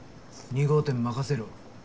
２号店任せるわ。